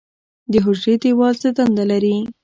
د حجرې دیوال څه دنده لري؟